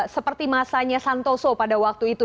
seperti masanya santoso pada waktu itu